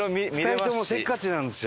２人ともせっかちなんですよ。